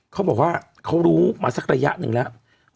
เขาบอกว่าเขารู้มาสักระยะหนึ่งแล้ว